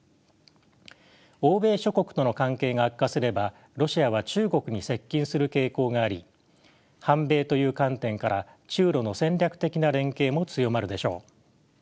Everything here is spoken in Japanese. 欧米諸国との関係が悪化すればロシアは中国に接近する傾向があり反米という観点から中ロの戦略的な連携も強まるでしょう。